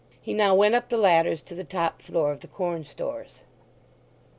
He now went up the ladders to the top floor of the corn stores.